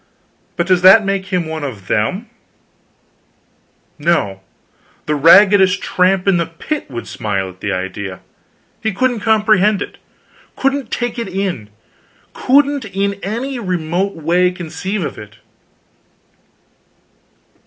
But does that make him one of them? No; the raggedest tramp in the pit would smile at the idea. He couldn't comprehend it; couldn't take it in; couldn't in any remote way conceive of it.